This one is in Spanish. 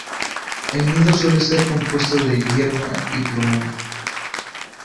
El nido suele estar compuesto de hierba y plumón.